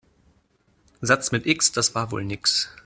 Satz mit X, das war wohl nix.